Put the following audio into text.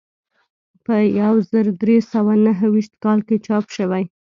په یو زر درې سوه نهه ویشت کال کې چاپ شوی.